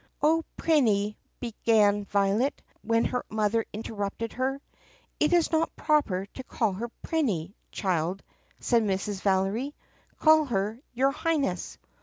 "Oh, Prinny," began Violet, when her mother interrupted her. "It is not proper to call her 'Prinny,' child," said Mrs. Valery. "Call her 'your Highness.